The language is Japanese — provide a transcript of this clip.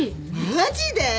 マジで？